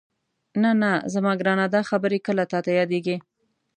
نه نه زما ګرانه دا خبرې کله تاته یادېږي؟